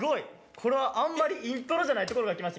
これはあんまりイントロじゃないところからきましたけど。